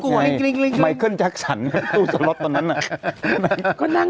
ไม่แปลกเขินจักษรถุ้สลอปนั้นนะน่ะ